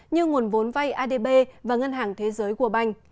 như nguồn vốn vay adb và ngân hàng thế giới của banh